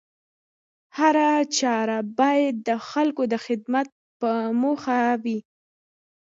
هره چاره بايد د خلکو د خدمت په موخه وي